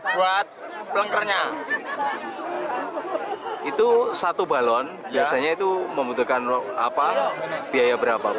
buat plenkernya itu satu balon biasanya itu membutuhkan apa biaya berapa